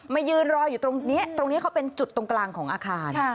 ยืนรออยู่ตรงนี้ตรงนี้เขาเป็นจุดตรงกลางของอาคาร